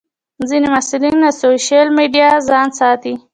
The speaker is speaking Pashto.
ځینې محصلین له سوشیل میډیا ځان ساتي.